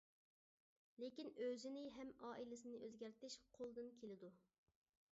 لېكىن ئۆزىنى ھەم ئائىلىسىنى ئۆزگەرتىش قولىدىن كېلىدۇ.